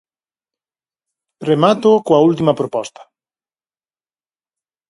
Remato coa última proposta.